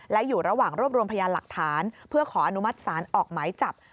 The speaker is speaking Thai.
และอยู่ระหว่างรวบรวมพยานหลักฐานเพื่อขออนุมัติศาลออกหมายจับ